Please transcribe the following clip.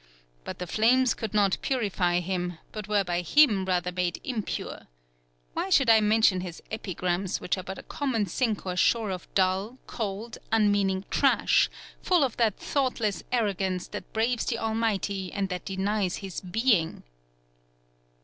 But the flames could not purify him, but were by him rather made impure. Why should I mention his Epigrams, which are but a common sink or shore of dull, cold, unmeaning trash, full of that thoughtless arrogance that braves the Almighty, and that denies His Being?"